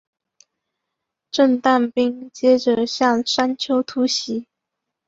掷弹兵接着向山丘突袭。